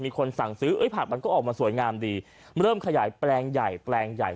มีคนสั่งซื้อเอ้ยผักมันก็ออกมาสวยงามดีเริ่มขยายแปลงใหญ่แปลงใหญ่